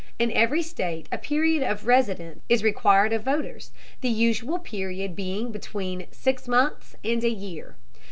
In every state a period of residence is required of voters, the usual period being between six months and a year.